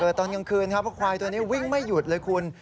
ตอนกลางคืนครับเพราะควายตัวนี้วิ่งไม่หยุดเลยคุณ